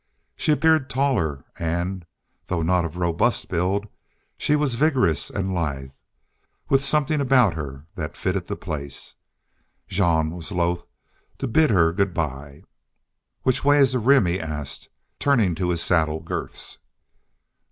She appeared taller and, though not of robust build, she was vigorous and lithe, with something about her that fitted the place. Jean was loath to bid her good by. "Which way is the Rim?" he asked, turning to his saddle girths.